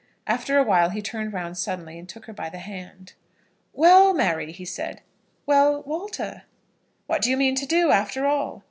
After a while he turned round suddenly, and took her by the hand. "Well, Mary!" he said. "Well, Walter!" "What do you mean to do, after all?"